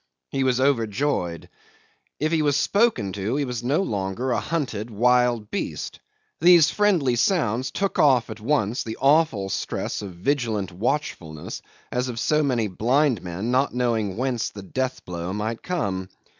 He was overjoyed. If he was spoken to he was no longer a hunted wild beast. These friendly sounds took off at once the awful stress of vigilant watchfulness as of so many blind men not knowing whence the deathblow might come.